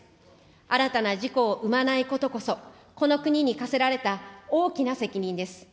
新たな事故を生まないことこそ、この国に課せられた大きな責任です。